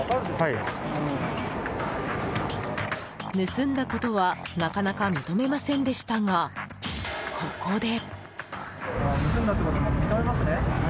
盗んだことはなかなか認めませんでしたがここで。